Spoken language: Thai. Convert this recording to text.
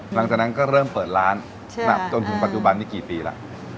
หลังจากนั้นก็เริ่มเปิดร้านจนถึงปัจจุบันนี้กี่ปีแล้ว